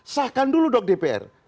sahkan dulu dong dpr